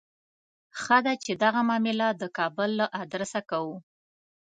ښه ده چې دغه معامله د کابل له آدرسه کوو.